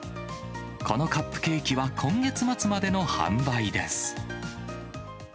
このカップケーキは、今月末までの販売です。